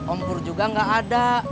ompur juga gak ada